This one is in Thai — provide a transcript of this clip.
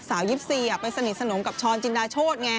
๒๔ไปสนิทสนมกับช้อนจินดาโชธไง